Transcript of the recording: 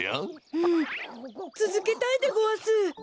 うんつづけたいでごわす！